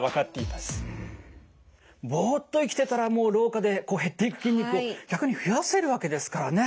ぼっと生きてたらもう老化で減っていく筋肉逆に増やせるわけですからね。